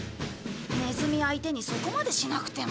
ネズミ相手にそこまでしなくても。